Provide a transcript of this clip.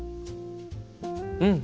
うん！